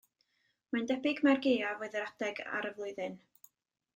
Mae'n debyg mai'r gaeaf oedd yr adeg ar y flwyddyn.